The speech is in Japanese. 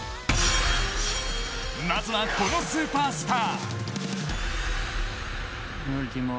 まずは、このスーパースター。